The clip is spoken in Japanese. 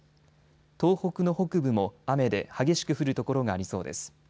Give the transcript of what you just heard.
東北の北部も雨で激しく降る所がありそうです。